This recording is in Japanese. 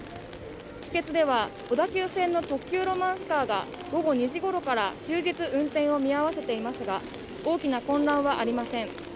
私鉄では小田急線の特急ロマンスカーが午後２時ごろから終日運転を見合わせていますが大きな混乱はありません。